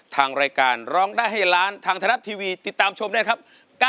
ทางรายการร้องได้ให้ล้านทางไทยรัฐทีวีติดตามชมได้ครับ